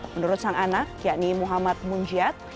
menurut sang anak yakni muhammad munjiat